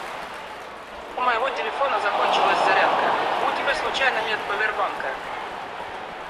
У моего телефона закончилась зарядка. У тебя случайно нет повербанка?